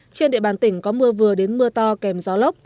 trên địa bàn tỉnh có mưa vừa đến mưa to kèm gió lốc